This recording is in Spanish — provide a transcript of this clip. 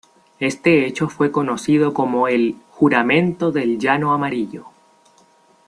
Este hecho fue conocido como el "Juramento del Llano Amarillo".